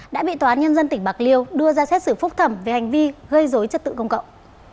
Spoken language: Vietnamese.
đã bị tòa án nhân dân tỉnh bạc liêu đưa ra xét xử phúc thẩm về hành vi gây dối trật tự công cộng